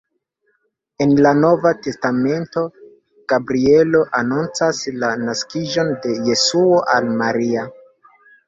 En la nova testamento Gabrielo anoncas la naskiĝon de Jesuo al Maria.